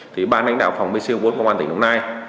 thì ban đảnh đạo phòng bco bốn công an tỉnh đồng nai